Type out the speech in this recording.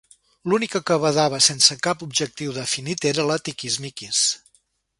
L'única que badava sense cap objectiu definit era la Tiquismiquis.